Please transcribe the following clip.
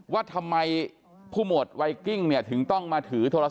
ว่าทำไมผู้หมวดไวกิ้งเนี่ยถึงต้องมาถือโทรศ